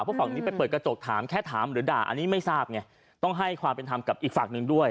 เพราะฝั่งนี้ไปเปิดกระจกถามแค่ถามหรือด่าอันนี้ไม่ทราบไงต้องให้ความเป็นธรรมกับอีกฝั่งหนึ่งด้วย